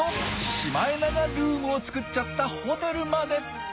シマエナガルームを作っちゃったホテルまで。